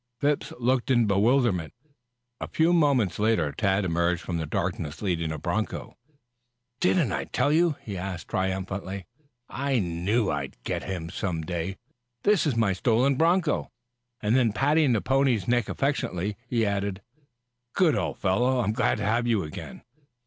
Phipps looked in bewilderment. A few moments later, Tad emerged from the darkness leading a broncho. "Didn't I tell you?" he asked triumphantly. "I knew I'd get him some day this is my stolen broncho." And then patting the pony's neck affectionately, he added: "Good old fellow. I'm glad to have you again."